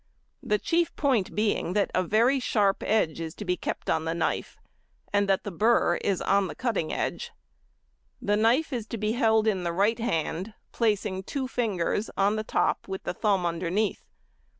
The chief point being that a very sharp edge is to be kept on the knife, and that the burr is on the cutting edge. The knife is to be held in the right hand, placing two fingers on the top with the thumb underneath.